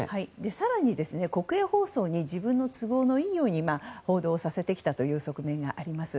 更に、国営放送に自分の都合のいいように報道させてきたという側面もあります。